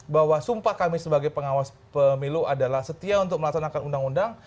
bahwa sumpah kami sebagai pengawas pemilu adalah setia untuk melaksanakan undang undang